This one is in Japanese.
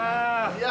◆いや。